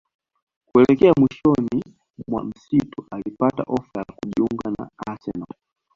kuelekea mwishoni mwa msimu alipata ofa ya kujiunga na Arsenal